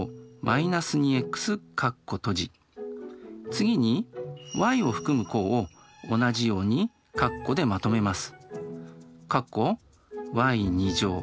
次にｙを含む項を同じように括弧でまとめます。